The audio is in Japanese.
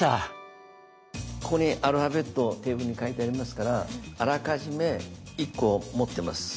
ここにアルファベットテーブルに書いてありますからあらかじめ１個持ってます。